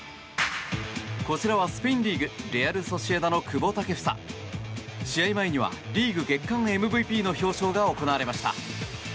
こちらはスペインリーグレアル・ソシエダの久保建英。試合前にはリーグ月間ＭＶＰの表彰が行われました。